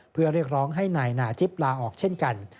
เพื่อเรียกร้องให้นายนาจิ๊บลาออกเช่นกัน